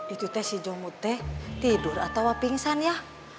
itu teh si jomute tidur atau pingsan ya